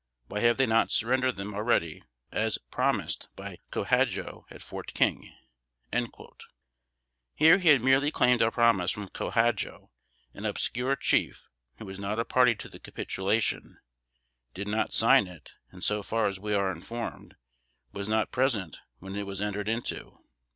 Why have they not surrendered them already, as promised by Co Hadjo, at Fort King?" Here he merely claimed a promise from Co Hadjo, an obscure chief, who was not a party to the capitulation did not sign it, and so far as we are informed, was not present when it was entered into.